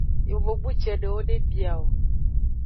Yovogbu cedewo de bia o.